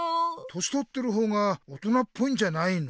年とってる方が大人っぽいんじゃないの？